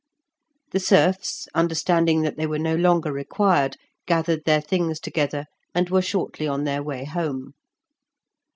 The serfs, understanding that they were no longer required, gathered their things together, and were shortly on their way home.